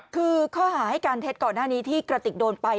คือข้อหาให้การเท็จก่อนหน้านี้ที่กระติกโดนไป